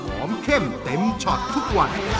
เข้มเต็มช็อตทุกวัน